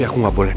aku mau nolak